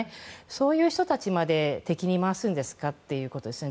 そういう人たちまで敵に回すんですかということですよね。